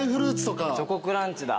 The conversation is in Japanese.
チョコクランチだ。